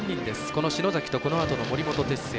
この篠崎と、このあとの森本哲星。